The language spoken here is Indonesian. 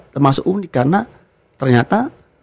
termasuk unik karena ternyata